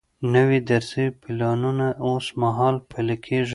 نوي درسي پلانونه اوس مهال پلي کیږي.